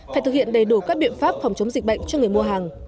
phải thực hiện đầy đủ các biện pháp phòng chống dịch bệnh cho người mua hàng